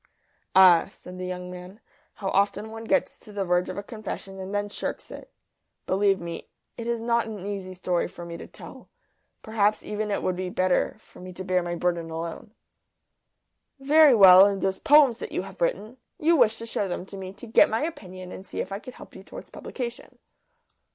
"Ah," said the young man, "how often one gets to the verge of a confession and then shirks it! Believe me, it is not an easy story for me to tell. Perhaps even it would be better for me to bear my burden alone." "Very well. And those poems that you have written you wished to show them to me, to get my opinion and see if I could help you towards publication."